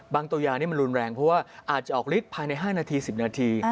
ตัวยานี่มันรุนแรงเพราะว่าอาจจะออกฤทธิภายใน๕นาที๑๐นาที